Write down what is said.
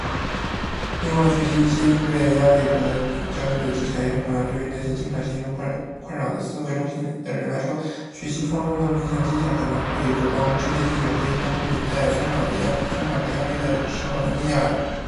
另外，学习一些应对压力和焦虑的技巧也很重要。对于那些经常陷入困扰的思维中心的人来说，学习放松和冥想技巧可能会有所帮助。这些技巧可以帮助你在纷扰和压力时冷静下来，让你能够更好地处理你的思绪和情绪。